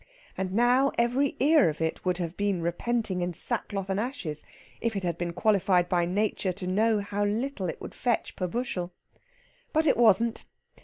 And now every ear of it would have been repenting in sackcloth and ashes if it had been qualified by Nature to know how little it would fetch per bushel. But it wasn't.